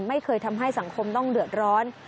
ไม่เคยทำให้สังคมต้องเดือดร้อน